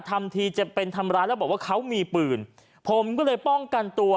ทำทีจะเป็นทำร้ายแล้วบอกว่าเขามีปืนผมก็เลยป้องกันตัว